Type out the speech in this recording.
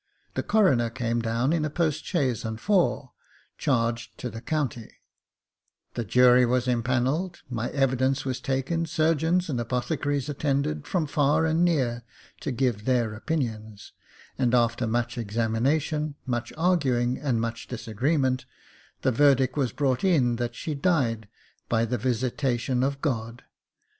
The coroner came down in a postchaise and four, charged to the county ; the jury was empannelled, my evidence was taken, surgeons and apothecaries attended from far and near to give their opinions, and after much examination, much arguing, and much disagreement, the verdict was brought in that she " died by the visitation of God."